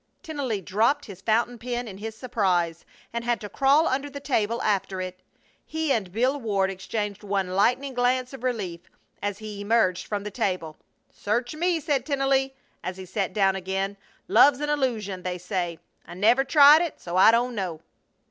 Tennelly dropped his fountain pen in his surprise, and had to crawl under the table after it. He and Bill Ward exchanged one lightning glance of relief as he emerged from the table. "Search me!" said Tennelly, as he sat down again. "Love's an illusion, they say. I never tried it, so I don't know."